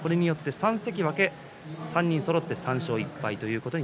３関脇３人そろって３勝１敗です。